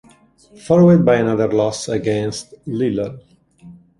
Followed by another loss against Lille.